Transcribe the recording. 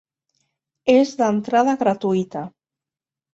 És d'entrada gratuïta.